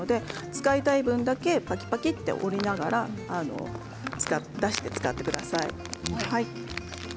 使いたい分だけぱきぱきと折りながら出して使ってください。